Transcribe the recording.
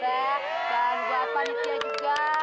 dan buat panitia juga